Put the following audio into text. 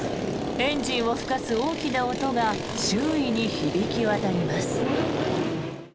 エンジンを吹かす大きな音が周囲に響き渡ります。